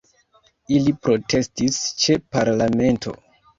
Ili protestis ĉe parlamento.